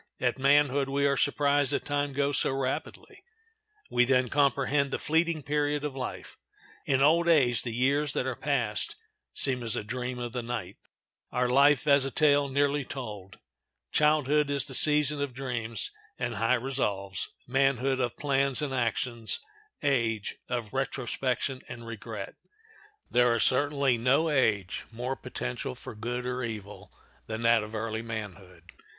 At manhood we are surprised that time goes so rapidly; we then comprehend the fleeting period of life. In old age the years that are passed seem as a dream of the night, our life as a tale nearly told. Childhood is the season of dreams and high resolves; manhood, of plans and actions; age, of retrospection and regret. There is certainly no age more potential for good or evil than that of early manhood.